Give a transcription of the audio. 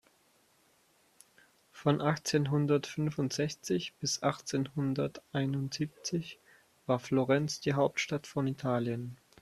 Von achtzehnhundertfünfundsechzig bis achtzehnhunderteinundsiebzig war Florenz die Hauptstadt von Italien.